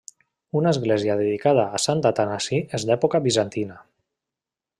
Una església dedicada a Sant Atanasi és d'època bizantina.